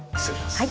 はい。